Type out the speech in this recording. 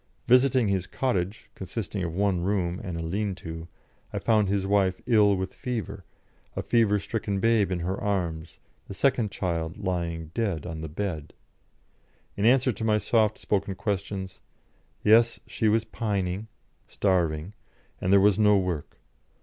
Visiting his cottage, consisting of one room and a "lean to," I found his wife ill with fever, a fever stricken babe in her arms, the second child lying dead on the bed. In answer to my soft spoken questions: Yes, she was pining (starving), there was no work.